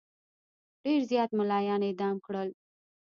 ډېر زیات مُلایان اعدام کړل.